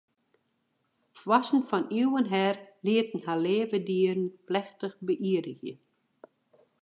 Foarsten fan iuwen her lieten har leave dieren plechtich beïerdigje.